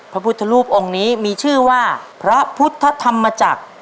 พระพุทธรูปองค์นี้มีชื่อว่าพระพุทธธรรมจักร